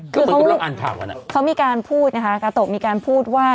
คือเขามีการพูดนะคะกาโต๊ะมีการพูดว่า